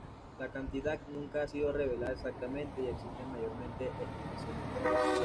La cantidad nunca ha sido relevada exactamente y existen mayormente estimaciones.